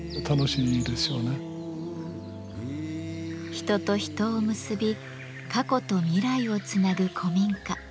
人と人を結び過去と未来をつなぐ古民家。